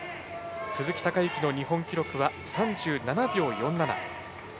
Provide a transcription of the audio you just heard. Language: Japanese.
鈴木孝幸の日本記録は３７秒４７。